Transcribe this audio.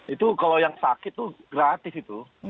itu kalau yang sakit itu gratis itu